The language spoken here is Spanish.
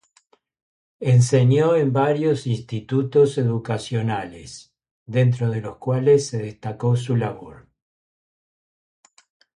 Enseñó en varios institutos educacionales, dentro de los cuales se destacó su labor.